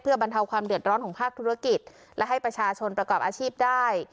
บรรเทาความเดือดร้อนของภาคธุรกิจและให้ประชาชนประกอบอาชีพได้